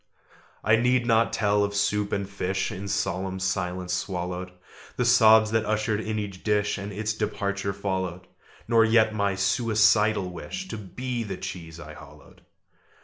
I need not tell of soup and fish In solemn silence swallowed, The sobs that ushered in each dish, And its departure followed, Nor yet my suicidal wish To be the cheese I hollowed.